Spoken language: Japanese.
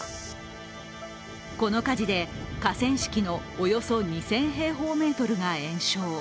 この火事で河川敷のおよそ２０００平方メートルが延焼。